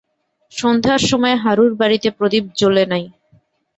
সন্ধ্যার সময় হারুর বাড়িতে প্রদীপ জ্বলে নাই।